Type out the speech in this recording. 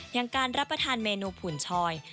อย่างการรับประทานเมนูผุ่นชอย